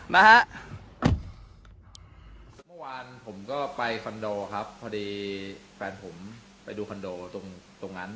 เมื่อวานผมก็ไปคอนโดครับพอดีแฟนผมไปดูคอนโดตรงนั้น